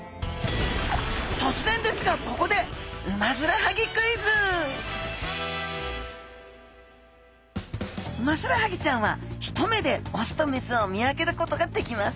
とつぜんですがここでウマヅラハギちゃんは一目で雄と雌を見分けることができます。